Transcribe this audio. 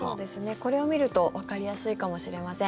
これを見るとわかりやすいかもしれません。